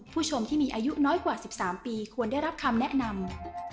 ผู้ชมที่มีอายุน้อยกว่า๑๓ปีควรได้รับคำแนะนำ